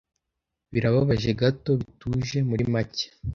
birababaje gato bituje muri make